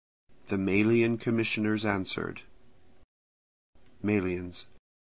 The Melian commissioners answered: Melians.